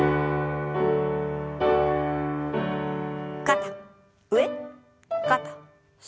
肩上肩下。